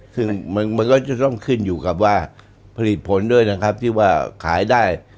ซึ่งมันก็จะต้องขึ้นอยู่กับว่าผลิตผลด้วยนะครับที่ว่าขายได้